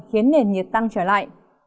khiến nền nhiệt tăng trở lại